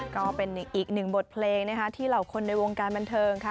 ก็เป็นอีกหนึ่งบทเพลงนะคะที่เหล่าคนในวงการบันเทิงค่ะ